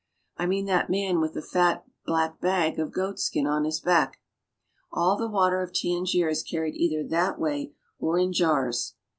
I mean that man with the fat, black bag of goatskin on his back. All the water of Tangier is carried either that way or in jars.